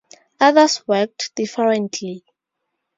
Others worked differently.